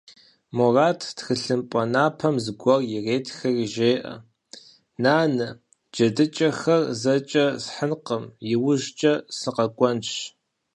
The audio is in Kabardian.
Мурат, тхылъымпӀэ напэм зыгуэр иретхэри, жеӀэ: - Нанэ, джэдыкӀэхэр зэкӀэ схьынкъым, иужькӀэ сыкъэкӀуэнщ.